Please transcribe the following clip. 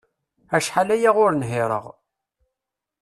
Acḥal aya ur nhireɣ.